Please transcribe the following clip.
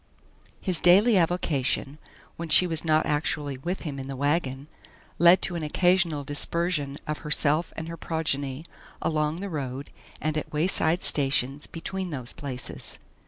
His daily avocation, when she was not actually with him in the wagon, led to an occasional dispersion of herself and her progeny along the road and at wayside stations between those places.